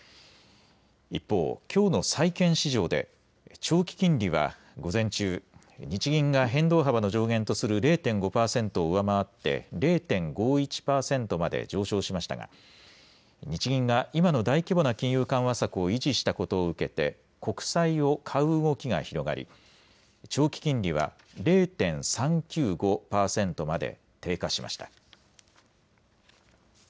一方、きょうの債券市場で長期金利は午前中、日銀が変動幅の上限とする０．５％を上回って０．５１％まで上昇しましたが日銀が今の大規模な金融緩和策を維持したことを受けで国債を買う動きが広がり長期金利は０．３９５％まで低下しました。